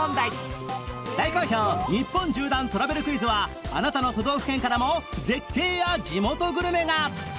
大好評日本縦断トラベルクイズはあなたの都道府県からも絶景や地元グルメが！